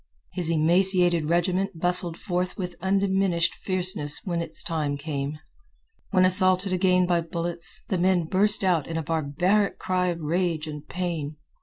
His emaciated regiment bustled forth with undiminished fierceness when its time came. When assaulted again by bullets, the men burst out in a barbaric cry of rage and pain.